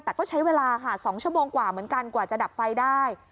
แต่ก็ใช้เวลาค่ะ๒ชั่วโมงกว่าเหมือนกันกว่าจะดับไฟได้